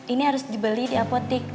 ini harus dibeli di apotek